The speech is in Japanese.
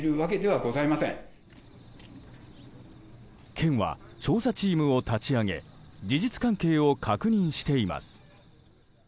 県は調査チームを立ち上げ事実関係を確認しています。